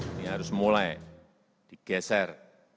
ini harus mulai digeser